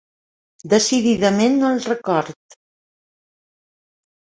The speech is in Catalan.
Decididament no el recordo.